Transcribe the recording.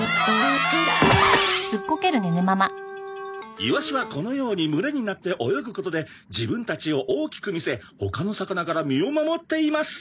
「イワシはこのように群れになって泳ぐことで自分たちを大きく見せ他の魚から身を守っています」